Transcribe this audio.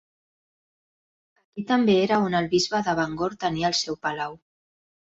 Aquí també era on el bisbe de Bangor tenia el seu palau.